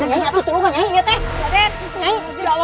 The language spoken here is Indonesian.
raden tolong ingat ya